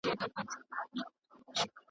که ریشتیا مو تاریخونه د قرنونو درلودلای .